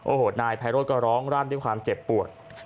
โอ้โหนายไพโรธก็ร้องร่ำด้วยความเจ็บปวด